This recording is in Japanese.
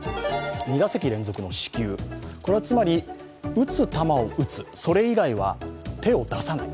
打つ球を打つ、それ意外は手を出さない。